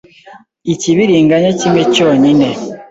ikibiringanya kimwe cyonyine